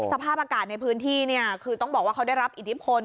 สภาพอากาศในพื้นที่คือต้องบอกว่าเขาได้รับอิทธิพล